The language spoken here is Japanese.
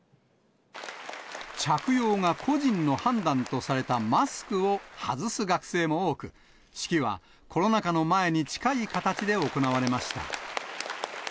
着用が個人の判断とされたマスクを外す学生も多く、式はコロナ禍の前に近い形で行われました。